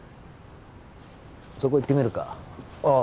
そこ行ってみるかああ